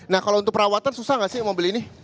nah kalau untuk perawatan susah gak sih mau beli ini